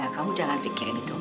kamu jangan pikirin itu